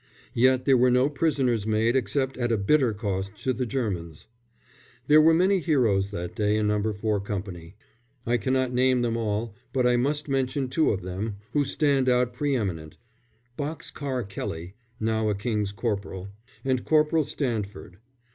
Yet there were no prisoners made except at a bitter cost to the Germans. There were many heroes that day in No. 4 Company. I cannot name them all, but I must mention two of them who stand out pre eminent "Box car" Kelly (now a King's Corporal), and Corporal Sandford.